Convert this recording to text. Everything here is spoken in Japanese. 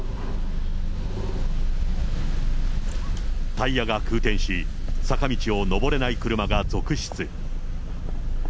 タイヤが空転し、坂道を登れない車が続出。